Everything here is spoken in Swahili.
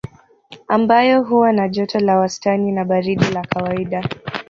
Ambayo huwa na joto la wastani na baridi la kawaida